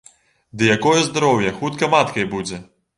Ды якое здароўе, хутка маткай будзе!